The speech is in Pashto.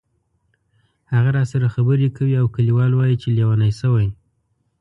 هغه راسره خبرې کوي او کلیوال وایي چې لیونی شوې.